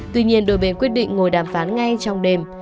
tuy nhiên đôi bên quyết định ngồi đàm phán ngay trong đêm